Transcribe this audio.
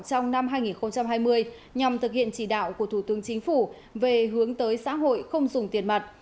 trong năm hai nghìn hai mươi nhằm thực hiện chỉ đạo của thủ tướng chính phủ về hướng tới xã hội không dùng tiền mặt